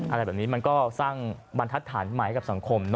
อะไรแบบนี้มันก็สร้างบรรทัดฐานใหม่กับสังคม